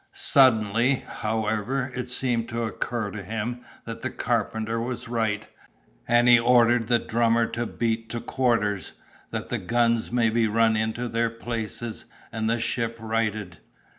Suddenly, however, it seemed to occur to him that the carpenter was right, and he ordered the drummer to beat to quarters, that the guns might be run into their places and the ship righted.